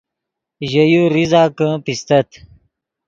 ژے یو ریزہ کہ پیستت